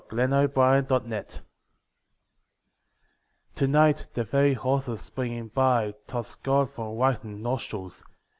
WINTER EVENING To night the very horses springing by Toss gold from whitened nostrils.